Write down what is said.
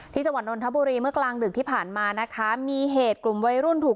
จังหวัดนนทบุรีเมื่อกลางดึกที่ผ่านมานะคะมีเหตุกลุ่มวัยรุ่นถูก